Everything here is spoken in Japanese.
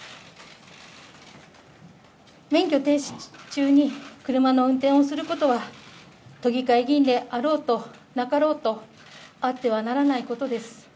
免許停止中に車の運転をすることは、都議会議員であろうとなかろうと、あってはならないことです。